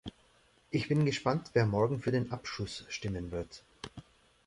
Ich bin gespannt, wer morgen für den Abschuss stimmen wird.